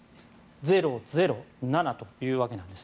０、０、７というわけなんです。